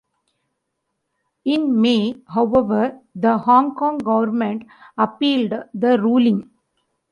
In May, however, the Hong Kong Government appealed the ruling.